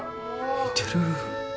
似てる。